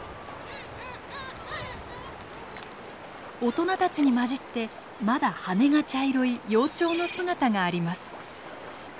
大人たちに交じってまだ羽が茶色い幼鳥の姿があります。